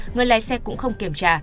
người lái xe cũng không kiểm tra